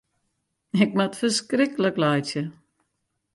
Ik moat ferskriklik laitsje.